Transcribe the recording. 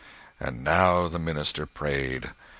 And now the minister prayed.